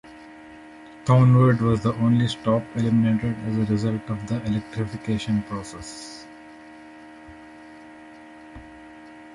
Thornwood was the only stop eliminated as a result of the electrification process.